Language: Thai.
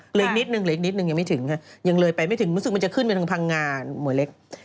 เหลือนิดนึงยังไม่ถึงยังเลยไปไม่ถึงรู้สึกมันจะขึ้นไปถึงพังงาเหมือนเล็ก